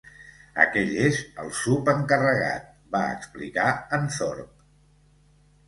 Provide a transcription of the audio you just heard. Aquell és el subencarregat, va explicar en Thorpe.